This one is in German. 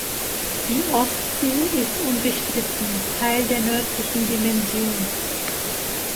Die Ostsee ist unbestritten Teil der Nördlichen Dimension.